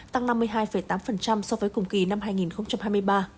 tăng năm mươi hai tám so với cùng kỳ năm hai nghìn hai mươi ba